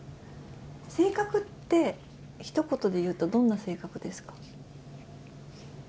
性格って、ひと言でいうと、どんな性格ですか？